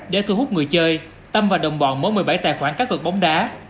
để thu hút người chơi tâm và đồng bọn mỗi một mươi bảy tài khoản cá cược bóng đá